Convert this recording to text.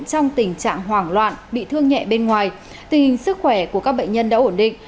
trong tình trạng hoảng loạn bị thương nhẹ bên ngoài tình hình sức khỏe của các bệnh nhân đã ổn định